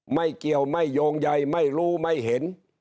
ไม่เกี่ยวไม่โยงใยไม่รู้ไม่เห็น